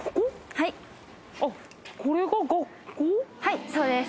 はいそうです